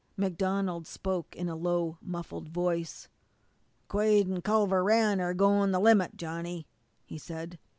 MacDonald spoke in a low, muffled voice: "Quade an' Culver Rann are goin' the limit, Johnny," he said.